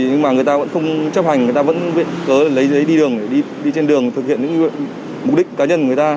nhưng mà người ta vẫn không chấp hành người ta vẫn viện cớ lấy giấy đi đường để đi trên đường thực hiện những mục đích cá nhân của người ta